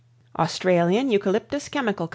Australian Eucalyptus Chemical Co.